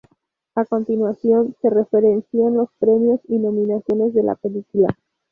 A continuación se referencian los premios y nominaciones de la películaː